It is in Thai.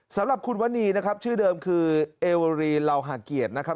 สำหรับคุณวันนีนะครับชื่อเดิมคือเอวารีลาวหาเกียจนะครับ